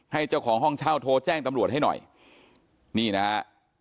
เจ้าของห้องเช่าโทรแจ้งตำรวจให้หน่อยนี่นะฮะ